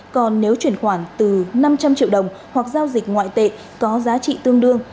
còn nếu chuyển khoản từ năm trăm linh triệu đồng hoặc giao dịch ngoại tệ có giá trị tương đương